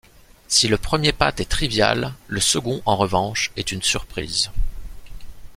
Si le premier pat est trivial, le second en revanche est une surprise.